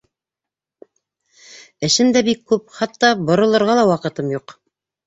Эшем дә бик күп, хатта боролорға ла ваҡытым юҡ.